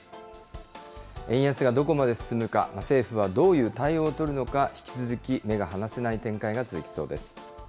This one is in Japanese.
円安がどこまで進むか、政府はどういう対応を取るのか、引き続き目が離せない展開が続きそうです。